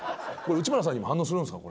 内村さんにも反応するんすか？